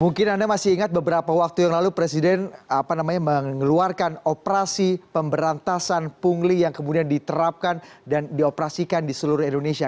mungkin anda masih ingat beberapa waktu yang lalu presiden mengeluarkan operasi pemberantasan pungli yang kemudian diterapkan dan dioperasikan di seluruh indonesia